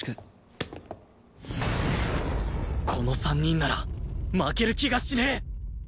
この３人なら負ける気がしねえ！